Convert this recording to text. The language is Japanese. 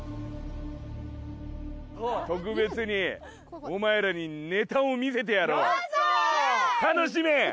特別にお前らにネタを見せてやろうやった楽しめ！